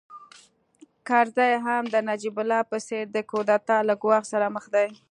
کرزی هم د نجیب الله په څېر د کودتا له ګواښ سره مخ دی